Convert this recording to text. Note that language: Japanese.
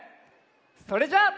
それじゃあ。